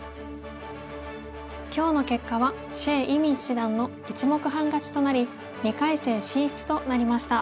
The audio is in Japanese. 今日の結果は謝依旻七段の１目半勝ちとなり２回戦進出となりました。